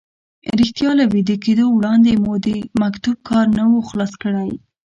رښتیا له ویده کېدو وړاندې مو د مکتوب کار نه و خلاص کړی.